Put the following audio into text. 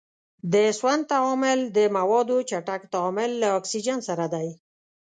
د سون تعامل د موادو چټک تعامل له اکسیجن سره دی.